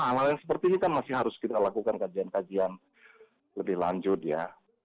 hal hal yang seperti ini kan masih harus kita lakukan kajian kajian lebih lanjut ya